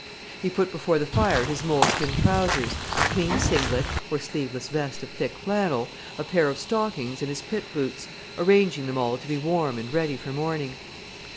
He put before the fire his moleskin trousers, a clean singlet, or sleeveless vest of thick flannel, a pair of stockings and his pit boots, arranging them all to be warm and ready for morning.